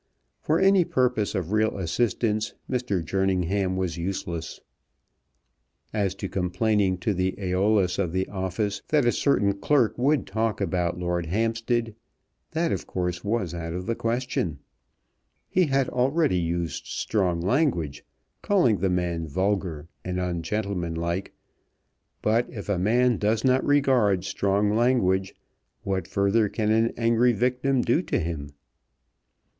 For any purpose of real assistance Mr. Jerningham was useless. As to complaining to the Æolus of the office that a certain clerk would talk about Lord Hampstead, that of course was out of the question. He had already used strong language, calling the man vulgar and ungentlemanlike, but if a man does not regard strong language what further can an angry victim do to him?